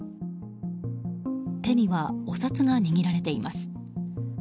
手にはお札が握られています。